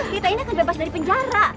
kita ini akan bebas dari penjara